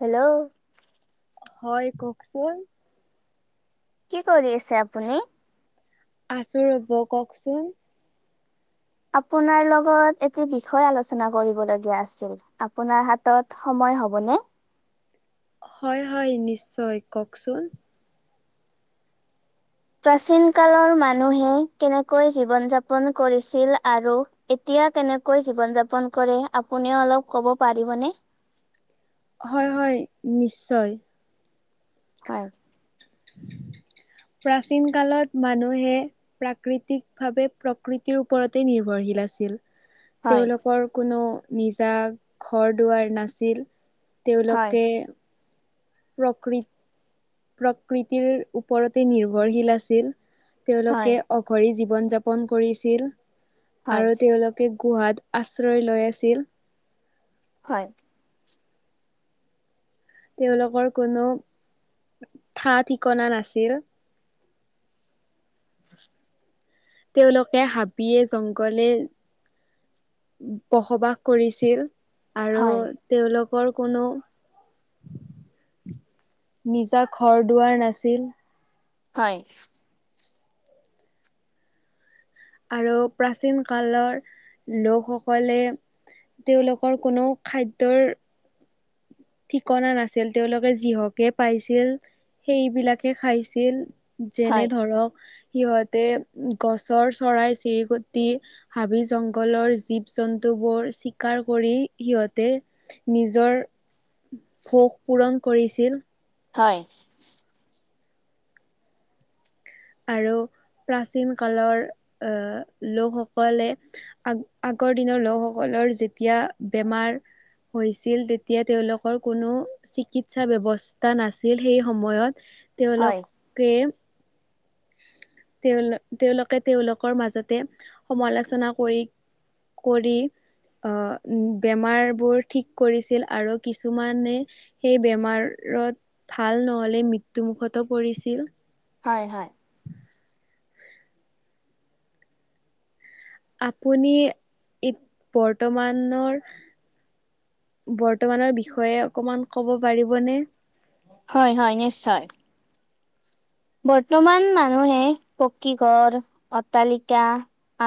Hello? হয়, কওঁকচোন? কি কৰি আছে আপুনি? আছোঁ ৰ'ব, কওঁকচোন? আপোনাৰ লগত এটি বিষয় আলোচনা কৰিব লগীয়া আছিল। আপোনাৰ হাতত সময় হ'বনে? হয়, হয় নিশ্চয়। কওঁকচোন? প্ৰাচীন কালৰ মানুহে কেনেকৈ জীৱন যাপন কৰিছিল আৰু এতিয়া কেনেকৈ জীৱন যাপন কৰে আপুনিও অলপ কব পাৰিবনে? হয় হয় নিশ্চয়। হয়। প্ৰাচীন কালত মানুহে প্ৰাকৃতিকভাৱে প্ৰকৃতিৰ ওপৰতে নিৰ্ভৰশীল আছিল। হয়, তেওঁলোকৰ কোনো নিজা ঘৰ দুৱাৰ নাছিল। হয়, তেওঁলোকে প্ৰকৃ, প্ৰকৃতিৰ ওপৰতে নিৰ্ভৰশীল আছিল। তেওঁলোকে হয়, অঘৰি জীৱন যাপন কৰিছিল হয়, আৰু তেওঁলোক কে গুহাত আশ্ৰয় লৈ আছিল। হয়। তেওঁলোকৰ কোনো ঠা ঠিকনা নাছিল। তেওঁলোকে হাবিয়ে জংঘলে বসবাস কৰিছিল। আৰু হয়, তেওঁলোকৰ কোনো নিজা ঘৰ দুৱাৰ নাছিল। হয়। আৰু প্ৰাচীন কালৰ লোকসকলে তেওঁলোকৰ কোনো খাদ্যৰ ঠিকনা নাছিল তেওঁলোকে যিহকে পাইছিল সেইবিলাকে খাইছিল। যেনে হয়, হয়, ধৰক সিহঁতে গছৰ চৰাই - চিৰিকটি হাবি - জংঘলৰ জীৱ - জন্তুবোৰ চিকাৰ কৰি সিহঁতে নিজৰ ভোক পূৰণ কৰিছিল। হয়। আৰু প্ৰাচীন কালৰ আহ লোকসকলে আগ আগৰ দিনৰ লোকসকলৰ যেতিয়া বেমাৰ হৈছিল তেতিয়া তেওঁলোকৰ কোনো চিকিৎসা ব্যৱস্থা নাছিল সেই সময়ত তেওঁলোকে তেওঁল তেওঁলোকে তেওঁলোকৰ মাজতে সমালোচনা কৰি কৰি আহ বেমাৰবোৰ ঠিক কৰিছিল আৰু কিছুমানে সেই বেমাৰত ভাল নহলে মৃত্যু মুুখতো পৰিছিল। হয় হয়। আপুনি ই বৰ্তমানৰ বৰ্তমানৰ বিষয়ে অকমান ক'ব পাৰিবনে? হয় হয় নিশ্চয়। বৰ্তমান মানুহে পকী ঘৰ, অট্টালিকা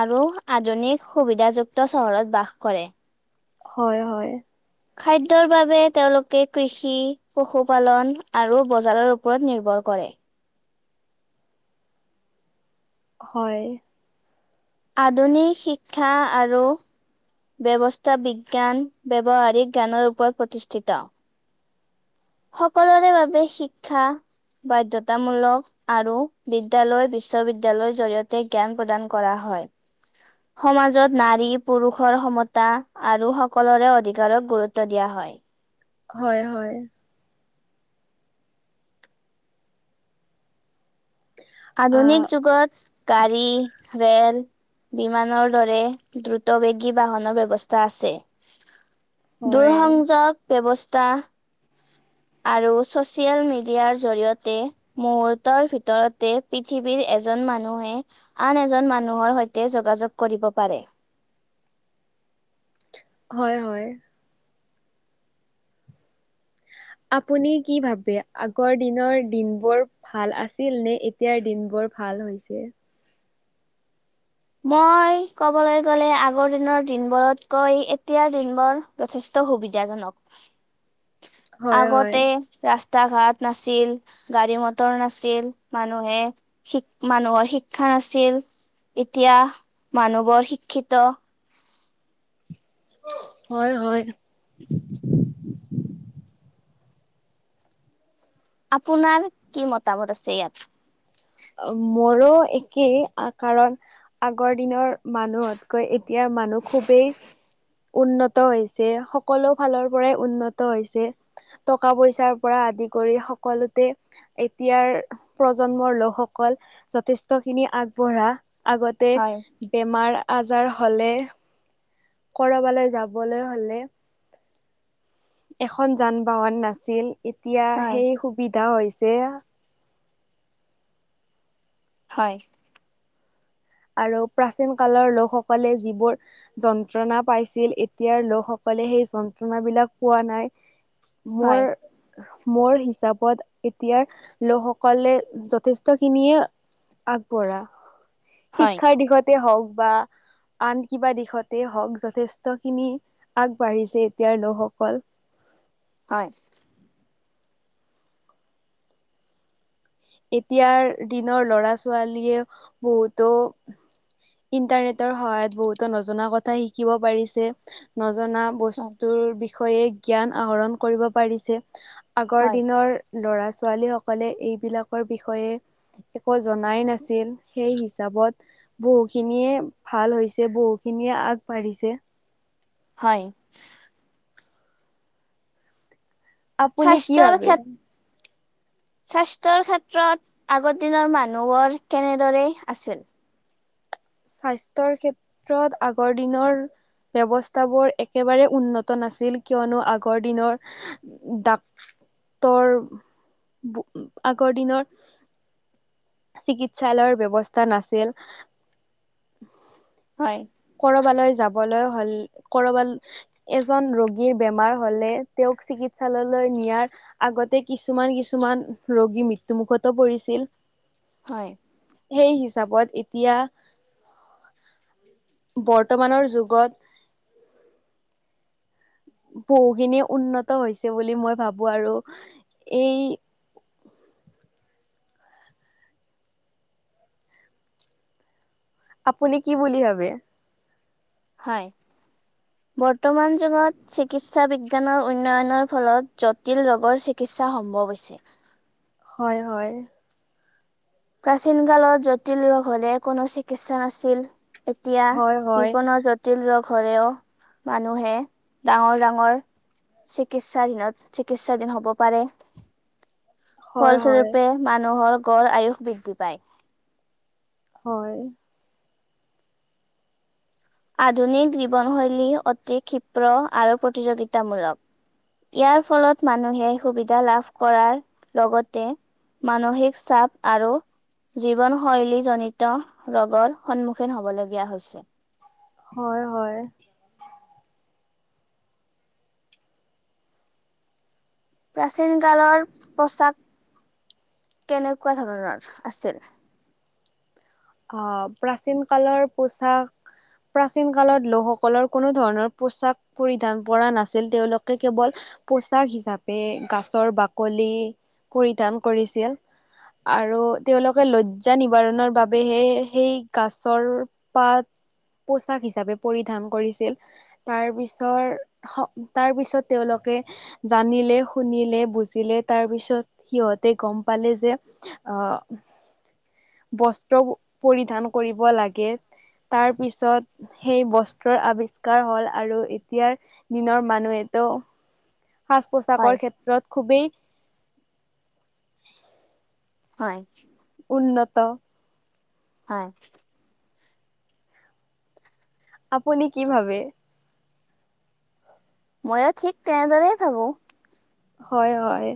আৰু আধুনিক সুবিধাযুক্ত চহৰত বাস কৰে। হয় হয়। খাদ্যৰ বাবে তেওঁলোকে কৃষি, পশুপালন আৰু বজাৰৰ ওপৰত নিৰ্ভৰ কৰে। হয়। আধুনিক শিক্ষা আৰু ব্যৱস্থা বিজ্ঞান ব্যৱহাৰিক জ্ঞানৰ ওপৰত প্ৰতিষ্ঠিত। সকলোৰে বাবে শিক্ষা বাধ্যতামূলক। আৰু বিদ্যালয়, বিশ্ববিদ্যালয়ৰ জৰিয়তে জ্ঞান প্ৰদান কৰা হয়। সমাজত নাৰী পুৰুষৰ সমতা আৰু সকলোৰে অধিকাৰক গুৰুত্ব দিয়া হয়। হয়, হয়। আহ আধুনিক যুগত গাড়ী, ৰেল বিমানৰ দৰে দ্ৰুতবেগী বাহনৰ ব্যৱস্থা আছে। হয় দুৰসংযোগ ব্যৱস্থা আৰু ছচিয়েল মিডিয়াৰ জৰিয়তে মুহুৰ্তৰ ভিতৰতে পৃথিৱীৰ এজন মানুহে আন এজন মানুহৰ সৈতে যোগাযোগ কৰিব পাৰে। হয়, হয়। আপুনি কি ভাবে আগৰ দিনৰ দিনবোৰ ভাল আছিল নে এতিয়াৰ দিন বোৰ ভাল হৈছে? মই ক'বলৈ গ'লে আগৰ দিনৰ দিনবোৰতকৈ এতিয়াৰ দিনবোৰ যথেষ্ট সুবিধাজনক। হয় হয়। আগতে ৰাস্তা ঘাট নাছিল, গাড়ী মটৰ নাছিল মানুহে শিক মানুহৰ শিক্ষা নাছিল। এতিয়া মানুহবোৰ শিক্ষিত হয়, হয়। [inaudible] আপোনাৰ কি মতামত আছে ইয়াত? মোৰো একেই, কাৰণ আগৰ দিনৰ মানুহতকৈ এতিয়া মানুহ খুবেই উন্নত হৈছে সকলো ফালৰ পৰাই উন্নত হৈছে। টকা পইচাৰ পৰা আদি কৰি সকলোতে এতিয়াৰ প্ৰজন্মৰ লোকস অকল যথেষ্ট খিনি আগবঢ়া। আগতে হয় বেমাৰ আজাৰ হ'লে কৰবালৈ যাবলৈ হ'লে এখন যান বাহন নাছিল এতিয়া হয় সেই সুবিধা হৈছে। হয়। আৰু প্ৰাচীন কালৰ লোকসকলে যিবোৰ যন্ত্ৰণা পাইছিল এতিয়াৰ লোকসকলে সেই যন্ত্ৰণা বিলাক পোৱা নাই। মোৰ হয় মোৰ হিচাপত এতিয়াৰ লোকসকলে যথেষ্ট খিনিয়ে আগবঢ়া, হয় শিক্ষাৰ দিশতে হওঁক বা আন কিবা দিশতে হওঁক যথেষ্ট খিনি আগবাঢ়িছে এতিয়াৰ লোকসকল। হয়। এতিয়াৰ দিনৰ লৰা ছোৱালীয়ে বহুতো ইন্টাৰনেটৰ সহায়ত বহুতো নজনা কথা শিকিব পাৰিছে। নজনা হয় বস্তুৰ বিষয়ে জ্ঞান আহৰণ কৰিব পাৰিছে। আগৰ হয় দিনৰ ল'ৰা ছোৱালীসকলে এইবিলাকৰ বিষয়ে একো জনাই নাছিল, সেই হিচাপত বহু খিনিয়ে ভাল হৈছে বহু খিনিয়ে আগবাঢ়িছে। হয়। আপুনি কি স্বাস্থ্যৰ ভাবে? ক্ষেত স্বাস্থ্যৰ ক্ষেত্ৰত আগৰ দিনৰ মানুহবোৰ কেনেদৰে আছিল? স্বাস্থ্যৰ ক্ষেত্ৰত আগৰ দিনৰ ব্যৱস্থাবোৰ একেবাৰে উন্নত নাছিল। কিযনো আগৰ দিনৰ ডাক্তৰ আগৰ দিনৰ চিকিৎসালয়ৰ ব্যৱস্থা নাছিল। হয়। কৰবালৈ যাবলৈ হ'ল কৰবাল এজন ৰোগীৰ বেমাৰ হ'লে তেওঁক চিকিৎসালয়লৈ নিয়াৰ আগতে কিছুমান কিছুমান ৰোগী মৃত্যুমুখতো পৰিছিল। হয়। সেই হিচাপত এতিয়া বৰ্তমানৰ যুগত বহুখিনি উন্নত হৈছে বুলি মই ভাবো আৰু এই আপুনি কি বুলি ভাবে? হয়। বৰ্তমান যুগত চিকিৎসা বিজ্ঞানৰ উন্নয়নৰ ফলত যত জটিল ৰোগৰ চিকিৎসাৰ সম্ভৱ হৈছে। হয়, হয়। প্ৰাচীন কালত জটিল ৰোগ হ'লে কোনো চিকিৎসা নাছিল। এতিয়া হয় হয় যিকোনো জট টিল ৰোগ হ'লেও মানুহে ডাঙৰ ডাঙৰ চিকিৎসাধিনত চিকিৎসাধীন হ'ব পাৰে। হয় হয় ফলস্বৰূপে মানুহৰ গড় আয়ুস বৃদ্ধি পায়। হয়। আধুনিক জীৱনশৈলী অতি ক্ষীপ্ৰ আৰু প্ৰতিযোগিতামূলক। ইয়াৰ ফলত মানুহে সুবিধা লাভ কৰাৰ লগতে মানসিক চাপ আৰু জীৱনশৈলী জনিত ৰোগৰ সন্মুখীন হ'ব লগীয়া হৈছে। হয়, হয়। প্ৰাচীন কালৰ পোচাক কেনেকুৱা ধৰণৰ আছিল? অ', প্ৰাচীন কালৰ পোচাক প্ৰাচীন কালত লোকসকলৰ কোনো ধৰণৰ পোচাক পৰিধান কৰা নাছিল, তেওঁলোকে কেৱল পোচাক হিচাপে গছৰ বাকলি পৰিধান কৰিছিল। আৰু তেওঁলোকে লজ্জা নিবাৰণৰ বাব বেহে সেই গছৰ পাত পোচাক হিচাপে পৰিধান কৰিছিল। তাৰ পিছৰ তাৰ পিছত তেওঁলোকে জানিলে শুনিলে বুজিলে তাৰ পিছত সিহঁতে গ'ম পালে যে অ', বস্ত্ৰ পৰিধান কৰিব লাগে। তাৰ পিছত সেই বস্ত্ৰৰ আৱিষ্কাৰ হ'ল আৰু এতিয়াৰ দিনৰ মানুহেতো হয় সাজ-পোছাকৰ ক্ষেত্ৰত খুবেই হয়। উন্নত। হয়। আপুনি কি ভাবে? মইও ঠিক তেনেদৰেই ভাবো। হয়, হয়।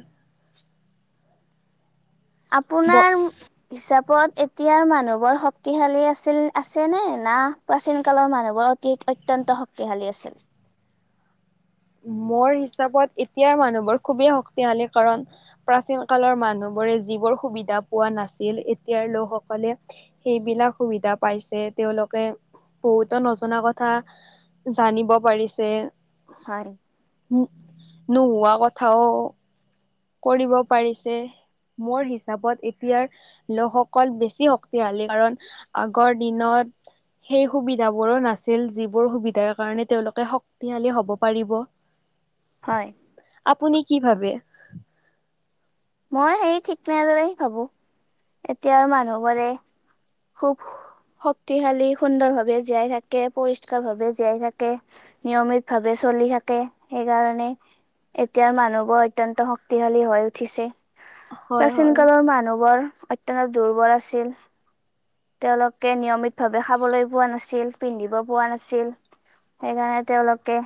ব আপোনাৰ - হিচাপত এতিয়াৰ মানুহবোৰ শক্তিশালী আছিল আছে নে না - প্ৰাচীন কালৰ মানুহবোৰ অতি অত্যন্ত শক্তিশালী আছিল? মোৰ হিচাপত এতিয়াৰ মানুহবোৰ খুবেই শক্তিশালী, কাৰণ - প্ৰাচীন কালৰ মানুহবোৰে যিবোৰ সুবিধা পোৱা নাছিল এতিয়াৰ লোকসকলে - সেইবিলাক সুবিধা পাইছে তেওঁলোকে বহুতো নজনা কথা - জানিব পাৰিছে - হয়। উম, নোহোৱা কথাও - কৰিব পাৰিছে, মোৰ হিচাপত এতিয়াৰ - লোকসকল বেছি শক্তিশালী, কাৰণ আগৰ দিনত - সেই সুবিধাবোৰো নাছিল যিবোৰ সুবিধাৰ কাৰণে তেওঁওলোকে শক্তিশালী হ'ব পাৰিব - হয়। আপুনি কি ভাবে? মই সেই ঠিক তেনেদৰেই ভাবো, এতিয়াৰ মানুহবোৰে খুব - শক্তিশালী সুন্দৰ ভাৱে জীয়াই থাকে, পৰিষ্কাৰ ভাৱে জীয়াই থাকে। নিয়মিত ভাৱে চলি থাকে, সেইকাৰণে - এতিয়াৰ মানুহবোৰ অত্যন্ত শক্তিশালী হৈ উঠিছে। হয় প্ৰাচীন হয় কালৰ মানুহবোৰ অত্যন্ত দুৰ্বল আছিল। তেওঁলোকে নিয়মিত ভাৱে খাবলৈ পোৱা নাছিল, পিন্ধিব পোৱা নাছিল। সেইকাৰণে তেওঁলোকে -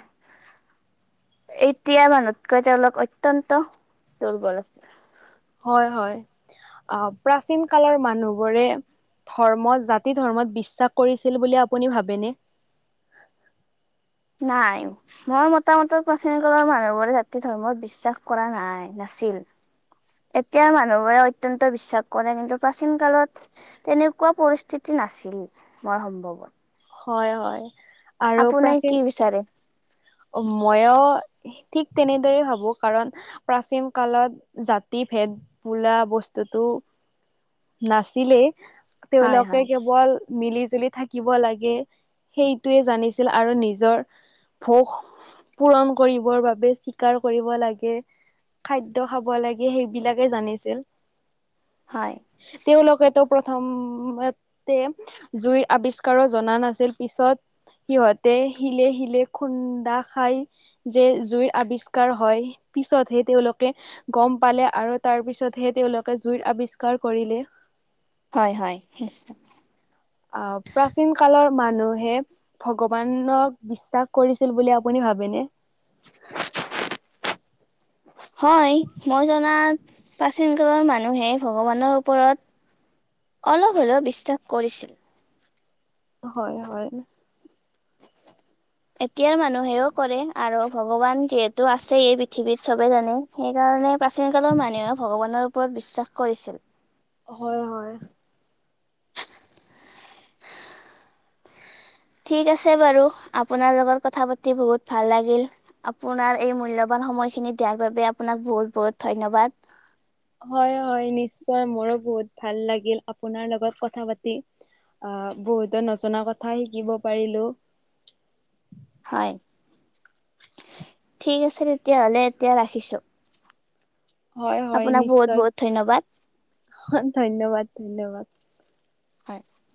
এতিয়া মানুহতকৈ তেওঁলোক অত্যন্ত দুৰ্বল আছিল। হয় হয়, অ প্ৰাচীন কালৰ মানুহবোৰে - ধৰ্মত জাতি ধৰ্মত বিশ্বাস কৰিছিল বুলি আপুনি ভাবে নে? নাই। মই মতামতৰ প্ৰাচীনকলৰ মানুহবোৰে জাতি ধৰ্মত বিশ্বাস কৰা নাই নাছিল। এতিয়া মানুহবোৰে অত্যন্ত বিশ্বাস কৰে কিন্তু প্ৰাচীন কালত - তেনেকুৱা পৰিস্থিতি নাছিল, মই সম্ভৱত। হয় হয়। আপুনি কি বিচাৰে? অ, মইয়ো ঠিক তেনেদৰে ভাবো, কাৰণ - প্ৰাচীন কালত জাতি ভেদ বোলা বস্তুটো - নাছিলেই, হয় তেওঁলোকে হয় কেৱল - মিলি জুলি থাকিব লাগে, সেইটোৱে জানিছিল আৰু নিজৰ - ভোগ পূৰণ কৰিবৰ বাবে স্বীকাৰ কৰিব লাগে। খাদ্য খাব লাগে সেইবিলাকে জানিছিল। হয়। তেওঁলোকেতো প্ৰথমতে - জুইৰ আৱিষ্কাৰো জনা নাছিল পিছত সিহঁতে শিলে শিলে - খুন্দা খাই যে জুইৰ আৱিষ্কাৰ হয়, পিছতহে তেওঁলোকে - গম পালে আৰু তাৰ পিছতহে তেওঁলোকে জুইৰ আৱিষ্কাৰ কৰিলে। হয় হয় নিশ্চয়। আ প্ৰাচীন কালৰ মানুহে - ভগৱানক বিশ্বাস কৰিছিল বুলি আপুনি ভাবে নে? হয় মই জনাত প্ৰাচীন কালৰ মানুহে ভগৱানৰ ওপৰত - অলপ হ'লেও বিশ্বাস কৰিছিল। হয়, হয়। এতিয়াৰ মানুহেও কৰে, আৰু ভগৱান যিহেতু আছে পৃথিৱীত চবে জানে। সেইকাৰণে প্ৰাচীন কালৰ মানুহে ভগৱানৰ ওপৰত বিশ্বাস কৰিছিল। হয়, হয়। ঠিক আছে বাৰু, আপোনাৰ লগত কথা পাতি বহুত ভাল লাগিল। আপোনাৰ এই মূল্যবান সময়খিনি দিয়াৰ বাবে, আপোনাক বহুত-বহুত ধন্যবাদ। হয় হয় নিশ্চয় মোৰো বহুত ভাল লাগিল আপোনাৰ লগত কথা পাতি। আ বহুতো নজনা কথা শিকিব পাৰিলোঁ। হয়, ঠিক আছে তেতিয়াহলে এতিয়া ৰাখিছো হয় হয় আপোনাক বহুত নিশ্চয় বহুত ধন্যবাদ। [unintelligible] ধন্যবাদ, ধন্যবাদ। হয়